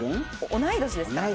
同い年ですからね。